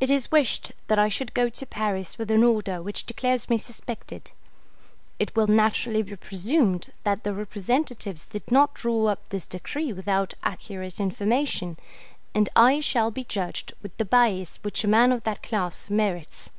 It is wished that I should go to Paris with an order which declares me suspected. It will naturally be presumed that the representatives did not draw up this decree without accurate information, and I shall be judged with the bias which a man of that class merits.